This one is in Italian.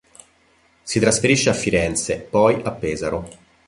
Si trasferisce a Firenze, poi a Pesaro.